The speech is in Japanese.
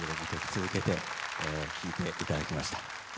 続けて聴いていただきました。